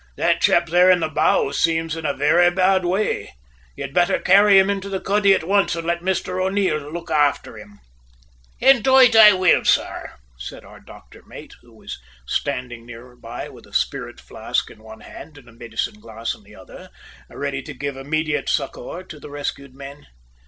That chap there in the bows seems in a very bad way! You'd better carry him into the cuddy at once and let Mr O'Neil look after him." "Indade, I will, sor," said our doctor mate, who was standing near by with a spirit flask in one hand and a medicine glass in the other, ready to give immediate succour to the rescued men.